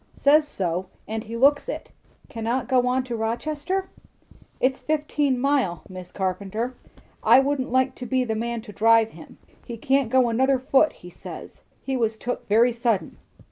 "Says so. And he looks it." "Cannot go on to Rochester? "It's fifteen mile, Mis' Carpenter. I wouldn't like to be the man to drive him. He can't go another foot, he says. He was took quite sudden."